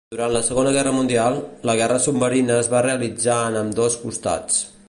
Durant la Segona Guerra Mundial, la guerra submarina es va realitzar en ambdós costats.